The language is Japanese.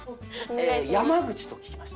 山口と聞きました。